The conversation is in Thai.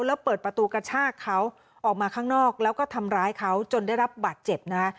แล้วเปิดประตูกระชากเขาออกมาข้างนอกแล้วก็ทำร้ายเขาจนได้รับบาดเจ็บนะคะ